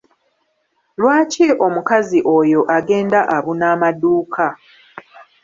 Lwaki omukazi oyo agenda abuna amaduuka?